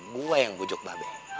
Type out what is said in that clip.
gue yang bujuk babe